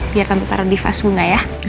biar tante taruh di vas bunga ya